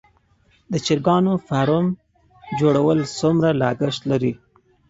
د چرګانو فارم جوړول څومره لګښت لري؟